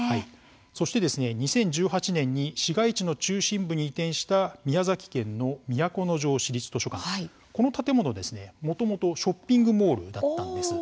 そして２０１８年に市街地の中心部に移転した宮崎県の都城市立図書館この建物、もともとはショッピングモールだったんです。